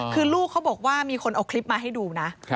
คือลูกเขาบอกว่ามีคนเอาคลิปมาให้ดูนะ